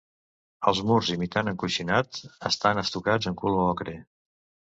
Els murs, imitant encoixinat, estan estucats en color ocre.